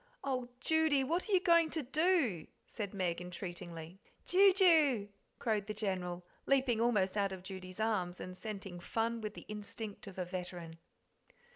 "Oh, Judy, what are you going to do?" said Meg entreatingly. "Ju Ju!" crowed the General, leaping almost out of Judy's arms, and scenting fun with the instinct of a veteran.